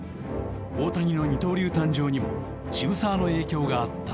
大谷の二刀流誕生にも渋沢の影響があった。